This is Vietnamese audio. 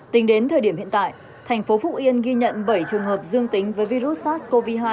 tính đến thời điểm hiện tại thành phố phúc yên ghi nhận bảy trường hợp dương tính với virus sars cov hai